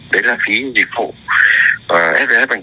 đấy là phí dịch vụ